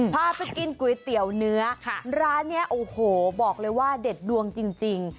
พาไปกินก๋วยเตี๋ยวเนื้อร้านนี้โอ้โหบอกเลยว่าเด็ดดวงจริง